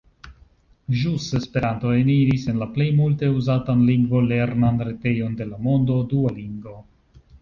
Ĵus Esperanto eniris en la plej multe uzatan lingvolernan retejon de la mondo, Duolingo.